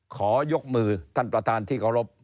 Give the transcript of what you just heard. ขอยกมือท่านประธานที่โทษ